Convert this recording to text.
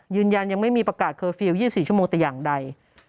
ยืนยันยังไม่มีประกาศเคอร์ฟิลล์๒๔ชั่วโมงแต่อย่างใด